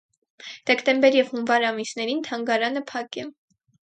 Դեկտեմբեր և հունվար ամիսներին թանգարանը փակ է։